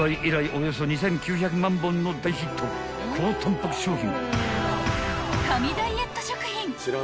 およそ２，９００万本の大ヒット高タンパク商品］